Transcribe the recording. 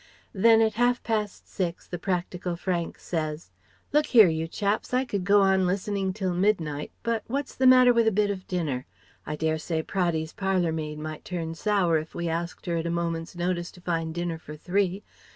Then at half past six, the practical Frank says: "Look here, you chaps, I could go on listening till midnight, but what's the matter with a bit of dinner? I dare say Praddy's parlour maid might turn sour if we asked her at a moment's notice to find dinner for three.